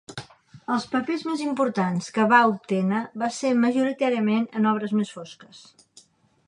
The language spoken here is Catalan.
Els papers més importants que va obtener van ser majoritàriament en obres més fosques.